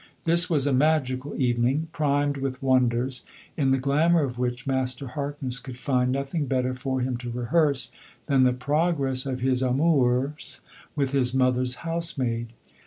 This was a magical evening, primed with wonders, in the glamour of which Master Harkness could find nothing better for him to rehearse than the progress of his amours with his mother's housemaid.